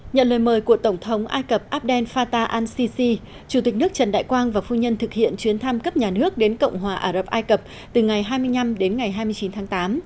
nhận lời mời của tổng thống ai cập abdel fattah al sisi chủ tịch nước trần đại quang và phu nhân thực hiện chuyến thăm cấp nhà nước đến cộng hòa ả rập ai cập từ ngày hai mươi năm đến ngày hai mươi chín tháng tám